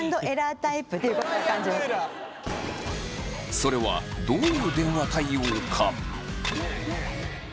それはどういう電話対応か。